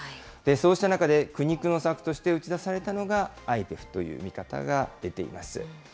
そうした中で、苦肉の策として打ち出されたのが、ＩＰＥＦという見方が出ています。